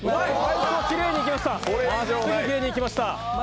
きれいにいきました。